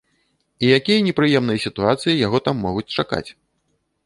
І якія непрыемныя сітуацыі яго там могуць чакаць?